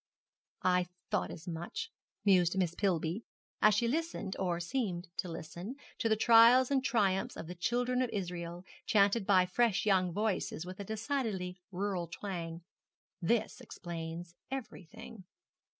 'I thought as much,' mused Miss Pillby, as she listened, or seemed to listen, to the trials and triumphs of the children of Israel, chanted by fresh young voices with a decidedly rural twang; 'this explains everything.'